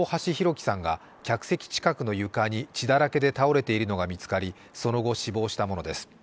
輝さんが客席近くの床に血だらけで倒れているのが見つかりその後、死亡したものです。